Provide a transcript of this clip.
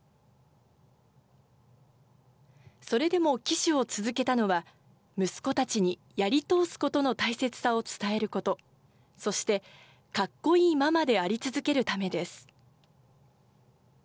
それでも騎手を続けたのは、息子たちにやり通すことの大切さを伝えること、そしてかっこいいママであり続けるためです。